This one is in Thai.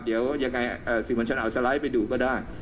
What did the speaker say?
เดี๋ยวยังไงที่ผมเอาสไลด์ไปดูก็ได้นะครับ